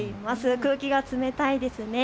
空気が冷たいですね。